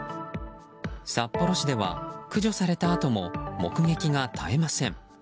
札幌市では駆除されたあとも目撃が絶えません。